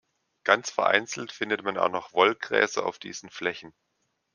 Ganz vereinzelt findet man auch noch Wollgräser auf diesen Flächen.